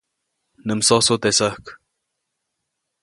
Nä msosu teʼ säjk.